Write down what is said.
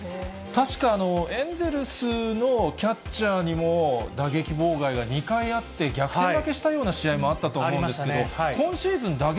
確か、エンゼルスのキャッチャーにも打撃妨害が２回あって、逆転負けしたような試合もあったと思うんですけど。